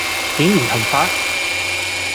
點唔同法？